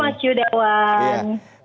selamat pagi mas yudewan